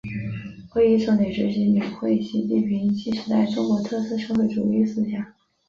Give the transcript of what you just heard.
会议重点学习领会习近平新时代中国特色社会主义思想